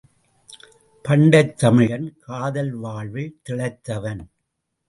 பண்டைத் தமிழன் காதல் வாழ்வில் திளைத்தவன்.